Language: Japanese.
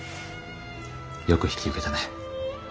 よく引き受けたね。